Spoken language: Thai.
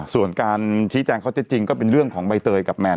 ส่วนการชี้แจงข้อเท็จจริงก็เป็นเรื่องของใบเตยกับแมน